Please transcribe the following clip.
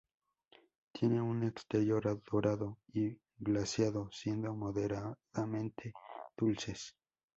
Tienen un exterior dorado y glaseado, siendo moderadamente dulces.